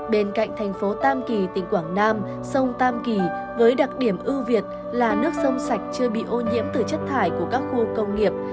bên cạnh thành phố tam kỳ tỉnh quảng nam sông tam kỳ với đặc điểm ưu việt là nước sông sạch chưa bị ô nhiễm từ chất thải của các khu công nghiệp